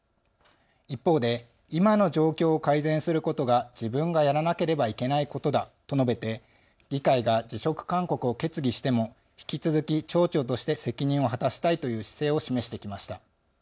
一方で今の状況を改善することが自分がやらなければいけないことだと述べて議会が辞職勧告を決議しても引き続き町長として責任を果たしたいという姿勢を示してきました。